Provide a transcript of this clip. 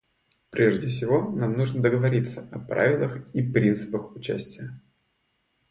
Прежде всего, нам нужно договориться о правилах и принципах участия.